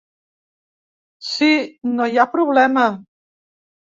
Si, no hi ha problema.